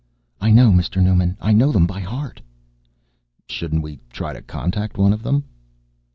"I know, Mr. Newman, I know them by heart." "Shouldn't we try to contact one of them?"